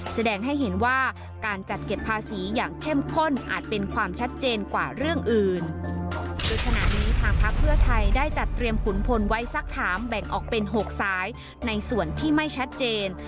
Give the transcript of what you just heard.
แสดงให้เห็นว่าการจัดเก็บภาษีอย่างเข้มข้นอาจเป็นความชัดเจนกว่าเรื่องอื่น